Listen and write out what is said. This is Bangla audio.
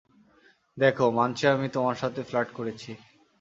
দেখো, মানছি আমি তোমার সাথে ফ্লার্ট করেছি।